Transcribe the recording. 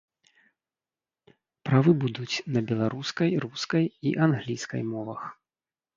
Правы будуць на беларускай, рускай і англійскай мовах.